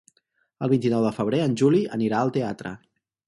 El vint-i-nou de febrer en Juli anirà al teatre.